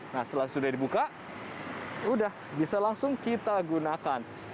nah setelah sudah dibuka udah bisa langsung kita gunakan